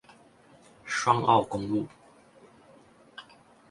雙澳公路